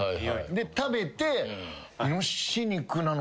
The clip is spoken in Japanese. で食べて。